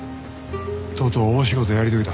とうとう大仕事やり遂げた。